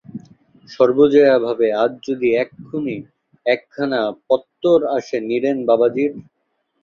সর্বজয়া ভাবে-আজ যদি এখখুনি একখানা পত্তর আসে নীরেন বাবাজীর?